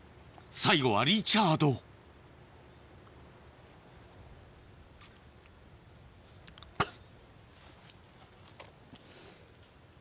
最後はリチャードハッ。